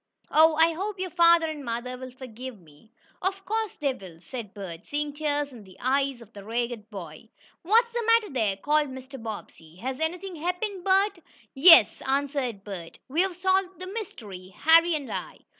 Oh, I hope your father and mother will forgive me." "Of course they will," said Bert, seeing tears in the eyes of the ragged boy. "What's the matter there?" called Mr. Bobbsey. "Has anything happened, Bert?" "Yes," answered Bert. "We've solved the mystery Harry and I."